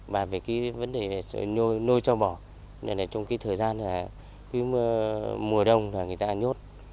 và về vấn đề nuôi châu bò trong thời gian mùa đông người ta nhốt